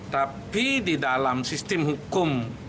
tapi di dalam sistem hukum